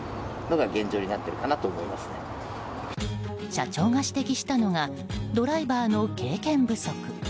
社長が指摘したのがドライバーの経験不足。